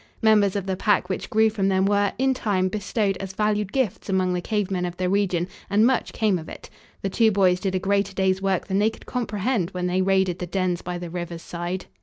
Members of the pack which grew from them were, in time, bestowed as valued gifts among the cave men of the region and much came of it. The two boys did a greater day's work than they could comprehend when they raided the dens by the river's side.